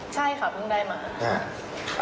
ใช่ค่ะเพิ่งได้มา